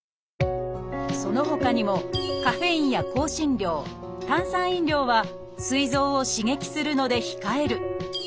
そのほかにもカフェインや香辛料炭酸飲料はすい臓を刺激するので控える。